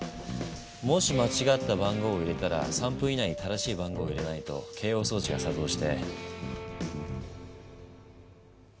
もし間違った番号を入れたら３分以内に正しい番号を入れないと警報装置が作動して。